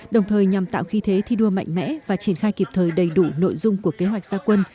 đồng thời nhằm tạo khí thế thi đua mạnh mẽ và triển khai kịp thời đầy đủ nội dung của kế hoạch gia quân